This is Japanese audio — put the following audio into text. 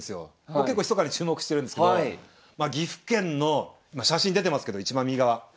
僕結構ひそかに注目してるんですけど岐阜県の今写真出てますけどいちばん右側。